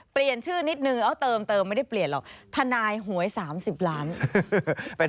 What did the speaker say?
เปลี่ยนชื่อนิดนึงเอาเติมเติมไม่ได้เปลี่ยนหรอก